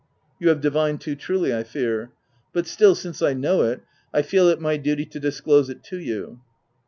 " You have divined too truly I fear ; but still since I know it, I feel it my duty to disclose it to you."